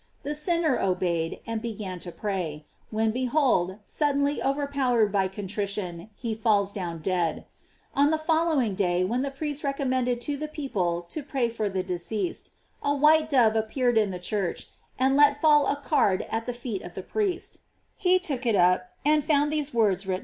The sinner obeyed, and began to pray, when behold, suddenly over powered by contrition, he falls down dead. On the following day when the priest recommended to the people to pray for the deceased, a white dove appeared in the church and let fall a card at * Propterea vulneratum est cor Christ!